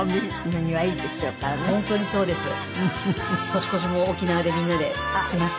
年越しも沖縄でみんなでしました。